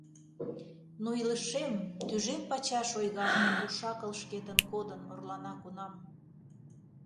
Но илышем тӱжем пачаш ойган, уш-акыл шкетын кодын орлана кунам.